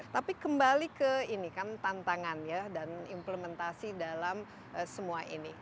tapi kembali ke ini kan tantangan ya dan implementasi dalam semua ini